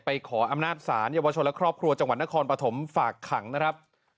ขออำนาจศาลเยาวชนและครอบครัวจังหวัดนครปฐมฝากขังนะครับ